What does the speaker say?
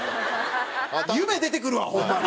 夢出てくるわホンマに！